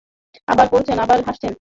আবার পড়ছেন, আবার হাসছেন।